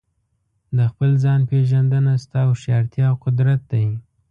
د خپل ځان پېژندنه ستا هوښیارتیا او قدرت دی.